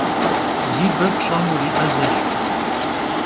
Zi be pş'em vuri'ezeş.